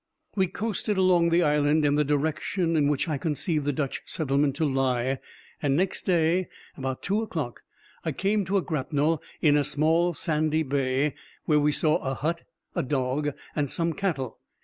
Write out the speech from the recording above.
We coasted along the island in the direction in which I conceived the Dutch settlement to lie, and next day, about two o'clock, I came to a grapnel in a small sandy bay, where we saw a hut, a dog, and some cattle.